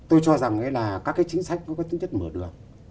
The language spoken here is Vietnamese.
tôi cho rằng là các cái chính sách có cái tính chất mở đường